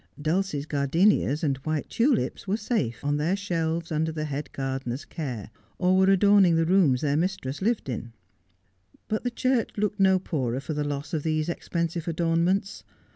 Dulcie's gardenias and white tulips were safe on their shelves under the head gardener's care, or were adorn ing the rooms their mistress lived in. But the church looked no poorer for the loss of these expensive adornments.